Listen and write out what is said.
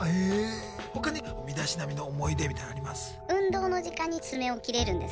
ほかに身だしなみの思い出みたいなのあります？